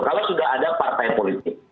kalau sudah ada partai politik